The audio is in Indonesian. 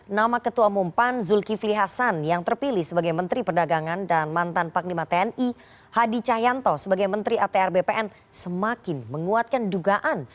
nama ketua umum pan zulkifli hasan yang terpilih sebagai menteri perdagangan dan mantan panglima tni hadi cahyanto sebagai menteri atr bpn semakin menguatkan dugaan